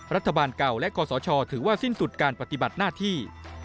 รัฐบาลเก่าและกศชถือว่าสิ้นสุดการปฏิบัติหน้าที่